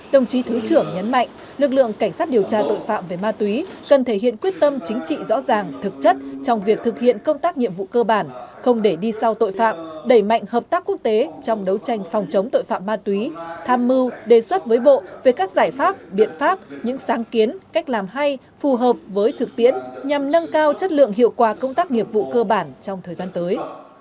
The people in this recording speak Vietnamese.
đồng chí thứ trưởng nhấn mạnh lực lượng cảnh sát điều tra tội phạm về ma túy cần thể hiện quyết tâm chính trị rõ ràng thực chất trong việc thực hiện công tác nghiệp vụ cơ bản không để đi sau tội phạm đẩy mạnh hợp tác quốc tế trong đấu tranh phòng chống tội phạm ma túy tham mưu đề xuất với bộ về các giải pháp biện pháp những sáng kiến cách làm hay phù hợp với thực tiễn nhằm nâng cao chất lượng hiệu quả công tác nghiệp vụ cơ bản trong thời gian tới